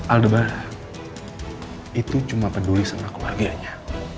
aldebaran itu hanya peduli sama keluarganya